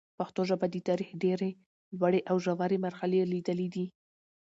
پښتو ژبه د تاریخ ډېري لوړي او ژوري مرحلې لیدلي دي.